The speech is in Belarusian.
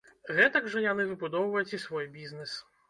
Гэтак жа яны выбудоўваюць і свой бізнес.